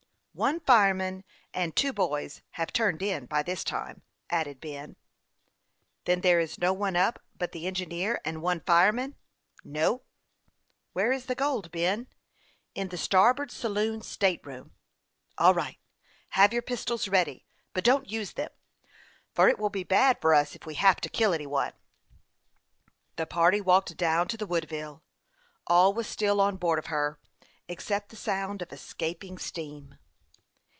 " One fireman and two boys have turned in by this time," added Ben. " Then there is no one up but the engineer and one fireman ?"" No." " Where is the gold, Ben ?"" In the starboard saloon state room." " All right ; have your pistols ready, but don't use them, for it will be bad for us if we have to kill any one." The party walked down to the Woodville. All was still on board of her, except the sound of escaping steam.